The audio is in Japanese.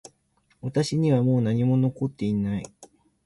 私にはもう何も残っていない